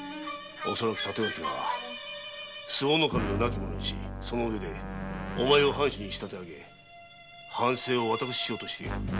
恐らく帯刀は周防守を亡き者にしその上でお前を藩主に仕立てあげ藩政を私しようとしているのだ。